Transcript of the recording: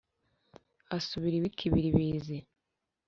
asubira iwe i kibilizi.